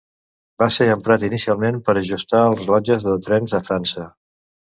Va ser emprat inicialment per ajustar els rellotges dels trens a França.